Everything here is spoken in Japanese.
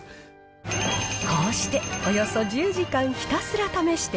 こうしておよそ１０時間、ひたすら試して、